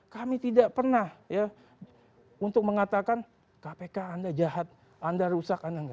kami tidak pernah ya untuk mengatakan kpk anda jahat anda rusak anda enggak